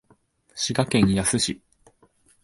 滋賀県野洲市